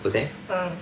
うん。